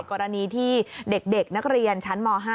กรณีที่เด็กนักเรียนชั้นม๕